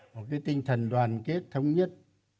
một cái tinh thần đoàn kết thống nhất